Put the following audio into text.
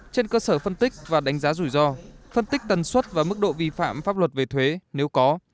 trên cơ sở phân tích và đánh giá rủi ro phân tích tần suất và mức độ vi phạm pháp luật về thuế nếu có